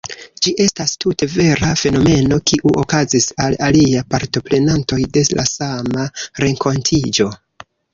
Ĝi estas tute vera fenomeno, kiu okazis al aliaj partoprenantoj de la sama renkontiĝo.